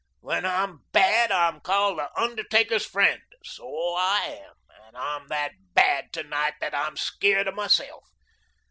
When I'm bad, I'm called the Undertaker's Friend, so I am, and I'm that bad to night that I'm scared of myself.